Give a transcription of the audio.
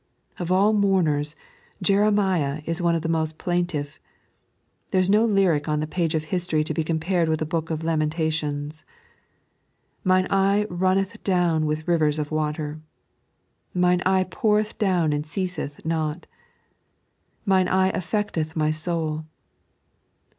Of all mourners, Jeremiah is one of the moet plaintive. There is no lyric on the page of history to be compared with the Book of Lamentations :—" Mine eye rwnneth down with rivers of water." " Mine eye poureth down am} ceateth not." "Mins eye affeotetft my soul."